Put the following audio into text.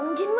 om jin mah